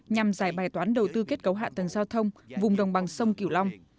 nhằm giải bài toán đầu tư kết cấu hạ tầng giao thông vùng đồng bằng sông kiểu long